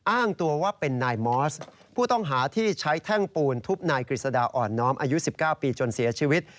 อ้างตัวว่าเป็นนายมอสผู้ต้องหาที่ใช้แท่งปูนทุบนายกฤษฎาอ่อนน้อมอายุ๑๙ปีจนเสียชีวิต